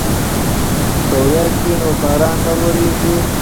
که وریځ وي نو باران نه وریږي.